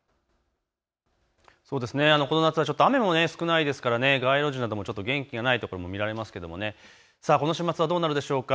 この夏は雨も少ないですから街路樹なども元気がないところも見られますけれど、この週末はどうなのでしょうか。